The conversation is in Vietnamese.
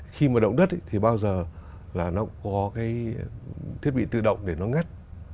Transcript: khi mà động đất thì bao giờ là nó có cái thiết bị tự động để nó ngắt